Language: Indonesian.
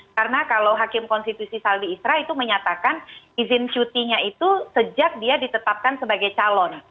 karena kalau hakim konstitusi salbi isra itu menyatakan izin cutinya itu sejak dia ditetapkan sebagai calon